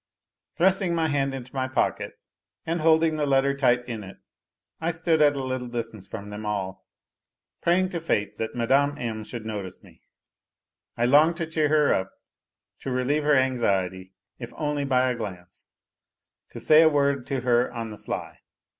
Thrusting my hand into my pocket and holding the letter tight in it, I stood at a little distance from them all, praying to fate that Mine. M. should notice me. I longed to cheer her up, to relieve her anxiety if only by a glance ; to say a word to her on the sly.